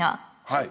はい。